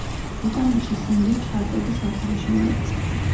ბრიტანეთში სინგლი ჩარტების სათავეში მოექცა.